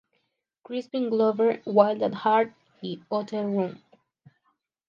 Crispin Glover: "Wild at Heart" y "Hotel Room".